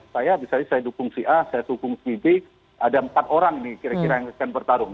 saya misalnya saya dukung si a saya dukung si b ada empat orang nih kira kira yang akan bertarung